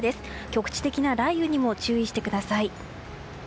局地的な雷雨にも注意してください。